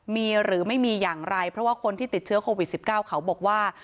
มีหรือไม่มีอย่างไรเพราะว่าคนที่ติดเชื้อโควิด๑๙เขาบอกว่า